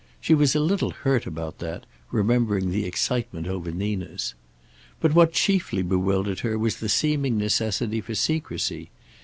She was a little hurt about that, remembering the excitement over Nina's. But what chiefly bewildered her was the seeming necessity for secrecy.